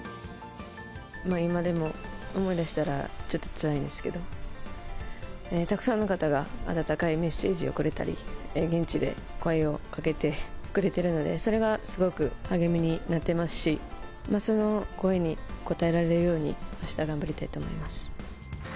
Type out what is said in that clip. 今でも、思い出したらちょっとつらいんですけど、たくさんの方が温かいメッセージをくれたり、現地で声をかけてくれてるので、それがすごく励みになってますし、その声に応えられるように、あした頑張りたいと思います。